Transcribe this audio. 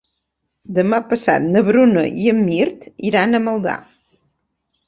Demà passat na Bruna i en Mirt iran a Maldà.